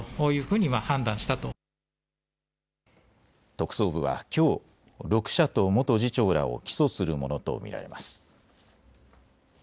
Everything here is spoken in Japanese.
特捜部はきょう、６社と元次長らを起訴するものと見られます。